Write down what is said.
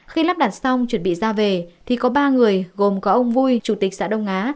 khi lắp đặt xong chuẩn bị ra về thì có ba người gồm có ông vui chủ tịch xã đông á